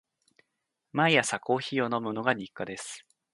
毎朝コーヒーを飲むのが日課です。